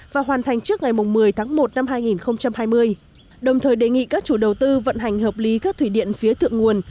và hoàn thành trước ngày một mươi tháng một năm hai nghìn hai mươi đồng thời đề nghị các chủ đầu tư vận hành hợp lý các thủy điện phía thượng nguồn